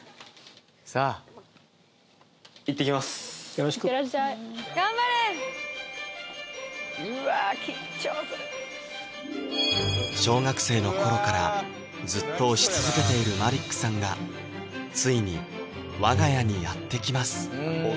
よろしくうわ緊張する小学生の頃からずっと推し続けているマリックさんがついに我が家にやって来ます